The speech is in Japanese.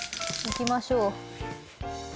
いきましょう。